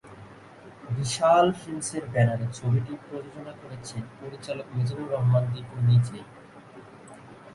বিশাল ফিল্মসের ব্যানারে ছায়াছবিটি প্রযোজনা করেছেন পরিচালক মিজানুর রহমান দীপু নিজেই।